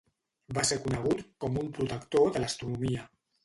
Va ser conegut com un protector de l'astronomia.